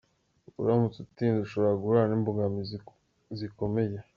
Uramutse utinze ushobora guhura n’imbogamizi zikomeye.’’